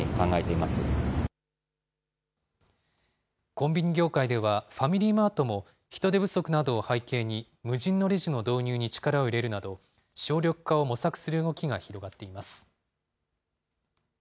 コンビニ業界では、ファミリーマートも人手不足などを背景に、無人のレジの導入に力を入れるなど、省力化を模索する動きが広がっています。